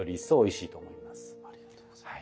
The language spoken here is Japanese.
ありがとうございます。